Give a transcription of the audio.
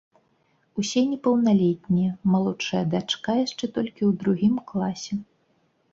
Усе непаўналетнія, малодшая дачка яшчэ толькі ў другім класе.